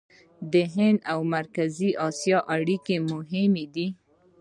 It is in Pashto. د هند او مرکزي اسیا اړیکې مهمې دي.